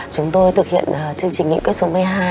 chúng tôi thực hiện chương trình nghị quyết số một mươi hai